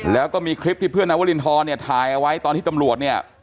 แล้วก็มีคลิปที่เพื่อนนาวรินทรเนี่ยถ่ายเอาไว้ตอนที่ตำรวจเนี่ย